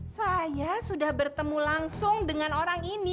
saya sudah bertemu langsung dengan orang ini